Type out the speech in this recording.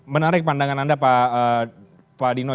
menarik pandangan anda pak dino